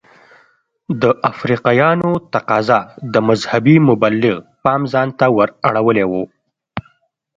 د افریقایانو تقاضا د مذهبي مبلغ پام ځانته ور اړولی و.